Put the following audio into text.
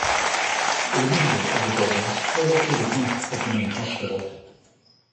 The remainder of the buildings are located north of the main hospital.